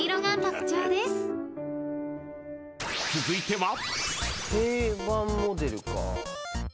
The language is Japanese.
［続いては］